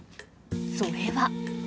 それは。